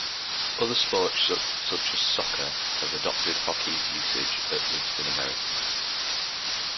Other sports such as soccer have adopted hockey's usage, at least in America.